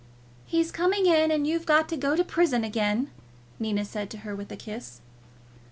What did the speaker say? "He's coming in, and you've got to go to prison again," Nina said to her, with a kiss.